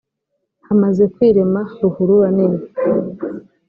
hamaze kwirema ruhurura nini